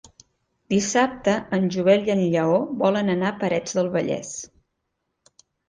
Dissabte en Joel i en Lleó volen anar a Parets del Vallès.